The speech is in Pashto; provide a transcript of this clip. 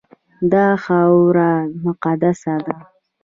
دا خاوره مقدسه ده.